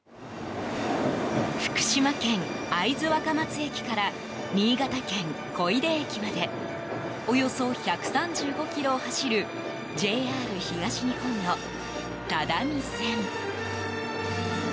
福島県会津若松駅から新潟県小出駅までおよそ１３５ｋｍを走るＪＲ東日本の只見線。